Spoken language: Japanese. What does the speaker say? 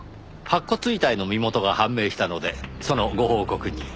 白骨遺体の身元が判明したのでそのご報告に。